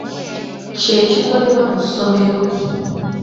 Kye kikolebwa mu ssomero.